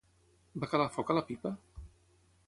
Va calar foc a la pipa?